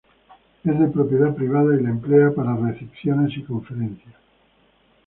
Es de propiedad privada y la emplean para recepciones y conferencias.